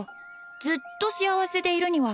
ずっと幸せでいるには